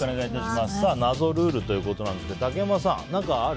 謎ルールということなんですが竹山さん、何かある？